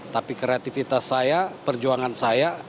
tapi kreativitas saya perjuangan saya